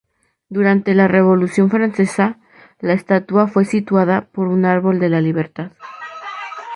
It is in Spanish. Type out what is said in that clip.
Durante la Revolución francesa, la estatua fue sustituida por un árbol de la libertad.